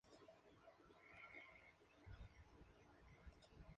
Es uno de los edificios más antiguos de la iglesia en el estado.